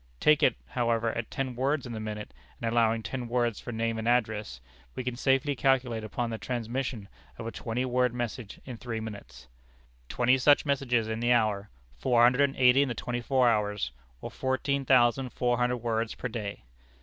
Take it, however, at ten words in the minute, and allowing ten words for name and address, we can safely calculate upon the transmission of a twenty word message in three minutes; "Twenty such messages in the hour; "Four hundred and eighty in the twenty four hours, or fourteen thousand four hundred words per day.